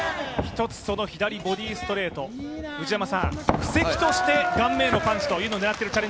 左ボディーストレート、布石として顔面へのパンチを狙っている？